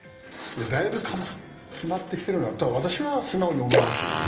だいぶ決まってきているなと私は思いますよ。